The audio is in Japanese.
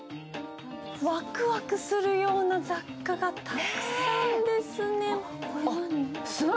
ワクワクするような雑貨がたくさんですね。